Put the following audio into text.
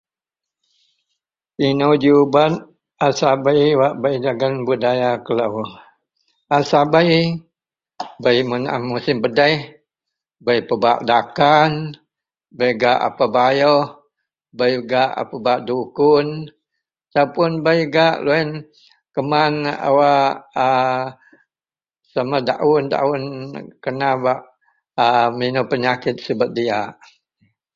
Inou ji ubat a sabei, wak bei ji dagen budaya kelou. A sabei bei musim pedeh, bei pebak dakan, bei gak a pebayoh, bei gak a pebak dukun ataupun bei gak loyen keman a wak aaa keman daun kena bak aa minou penyakit sibet diyak.